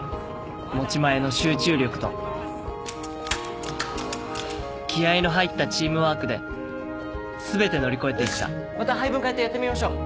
持ち前の集中力と気合の入ったチームワークで全て乗り越えていったまた配分変えてやってみましょう。